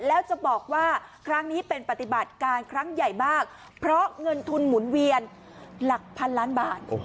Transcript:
แล้วจะบอกว่าครั้งนี้เป็นปฏิบัติการครั้งใหญ่มากเพราะเงินทุนหมุนเวียนหลักพันล้านบาท